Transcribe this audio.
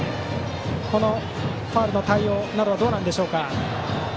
ファウルの対応などはどうでしょうか。